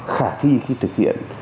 khả thi khi thực hiện